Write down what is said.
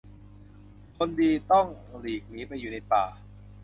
คนดีต้องหลีกหนีไปอยู่ในป่า